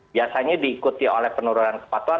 biasanya diikuti oleh penurunan kepatuhan